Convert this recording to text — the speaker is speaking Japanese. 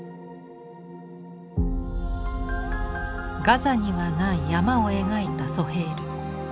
ガザにはない「山」を描いたソヘイル。